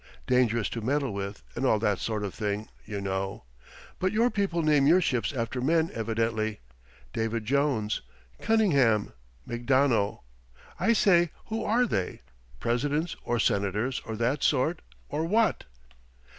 Dangerous to meddle with and all that sort of thing, y' know. But your people name your ships after men evidently David Jones, Conyngham, McDonough. I say, who are they Presidents or senators or that sort, or what?"